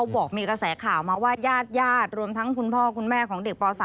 บอกมีกระแสข่าวมาว่าญาติญาติรวมทั้งคุณพ่อคุณแม่ของเด็กป๓